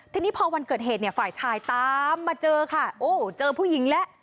ทีนี้พอวันเกิดเหตุเนี่ยฝ่ายชายตามมาเจอค่ะโอ้เจอผู้หญิงแล้ว